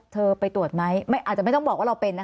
ไปตรวจไหมอาจจะไม่ต้องบอกว่าเราเป็นนะคะ